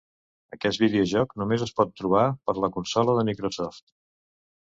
Aquest videojoc només es pot trobar per la consola de Microsoft.